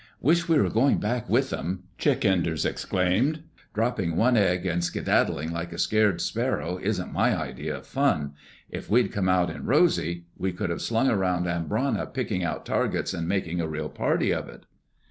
"Wish we were going back with them!" Chick Enders exclaimed. "Dropping one egg and skedaddling like a scared sparrow isn't my idea of fun. If we'd come out in Rosy, we could have hung around Amboina picking our targets and making a real party of it."